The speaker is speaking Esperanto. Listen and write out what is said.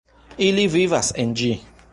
Ili vivas en ĝi.